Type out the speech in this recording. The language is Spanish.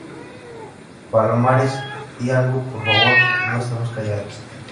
palomares, di algo. por favor, no estemos callados.